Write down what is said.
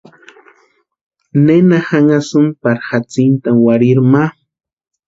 ¿Nena janhasïni pari jatsintani warhirini ma?